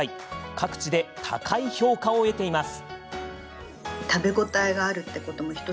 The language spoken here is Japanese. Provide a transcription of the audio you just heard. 各地で高い評価を得ています。